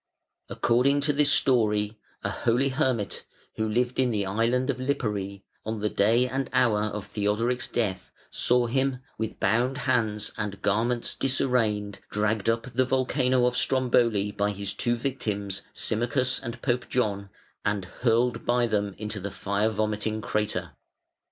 According to this story, a holy hermit, who lived in the island of Lipari, on the day and hour of Theodoric's death saw him, with bound hands and garments disarranged, dragged up the volcano of Stromboli by his two victims Symmachus and Pope John, and hurled by them into the fire vomiting crater.